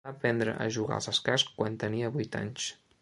Va aprendre a jugar als escacs quan tenia vuit anys.